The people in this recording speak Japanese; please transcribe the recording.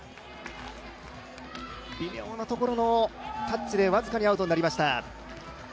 微妙なところのタッチで、僅かにアウトになりました。